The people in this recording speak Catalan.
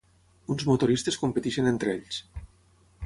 Uns motoristes competeixen entre ells.